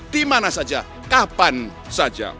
di mana saja kapan saja